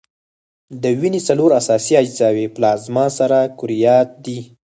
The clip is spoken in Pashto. د وینې څلور اساسي اجزاوي پلازما، سره کرویات دي.